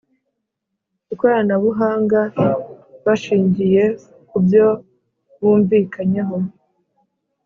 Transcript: Ikoranabuhanga bashingiye ku byo bumvikanyeho